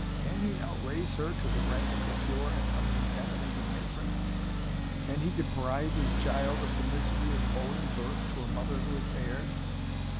Can he now raise her to the rank of a pure and uncontaminated matron? Can he deprive his child of the misery of owing birth to a mother who has erred?